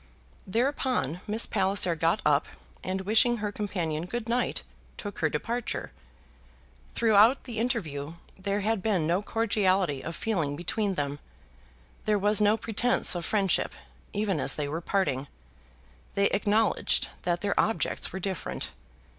Thereupon Miss Palliser got up, and wishing her companion good night, took her departure. Throughout the interview there had been no cordiality of feeling between them. There was no pretence of friendship, even as they were parting. They acknowledged that their objects were different.